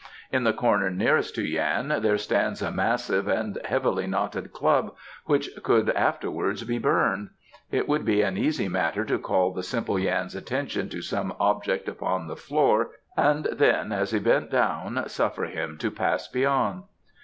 In the corner nearest to Yan there stands a massive and heavily knotted club which could afterwards be burned. It would be an easy matter to call the simple Yan's attention to some object upon the floor and then as he bent down suffer him to Pass Beyond."